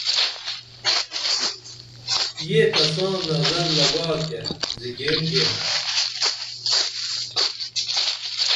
یہ کساں نظر لگا تے زگین گیمہ